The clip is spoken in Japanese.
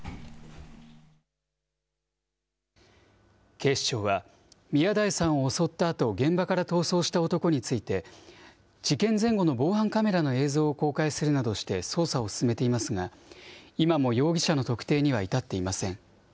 警視庁は、宮台さんを襲ったあと現場から逃走した男について、事件前後の防犯カメラの映像を公開するなどして、捜査を進めていますが、今も容疑者の特定には至っていません。